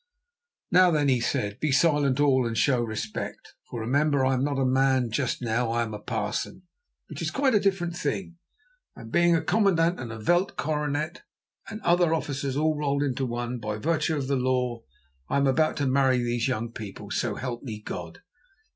"Now then," he said, "be silent, all, and show respect, for remember I am not a man just now. I am a parson, which is quite a different thing, and, being a commandant and a veld cornet and other officers all rolled into one, by virtue of the law I am about to marry these young people, so help me God.